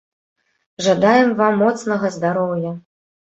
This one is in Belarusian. Жадаем вам моцнага здароўя!